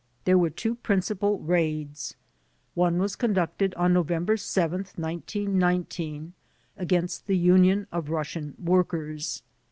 There were two principal raids. One was conducted on November 7, 1919, against the Union of Russian Workers.